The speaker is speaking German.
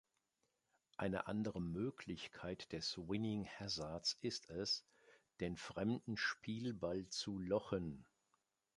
Eine andere Möglichkeit des Winning Hazards ist es, den fremden Spielball zu lochen.